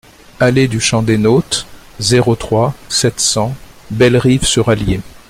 Allée du Champ des Nôtes, zéro trois, sept cents Bellerive-sur-Allier